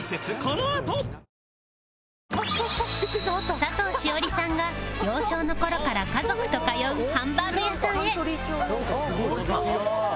佐藤栞里さんが幼少の頃から家族と通うハンバーグ屋さんへなんかすごい素敵。